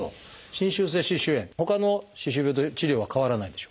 侵襲性歯周炎ほかの歯周病と治療は変わらないんでしょうか？